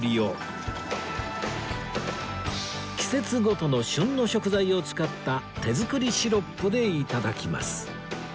季節ごとの旬の食材を使った手作りシロップで頂きます